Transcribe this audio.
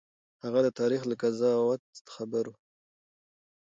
هغه د تاريخ له قضاوت خبر و.